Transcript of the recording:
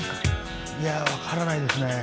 いやあわからないですね。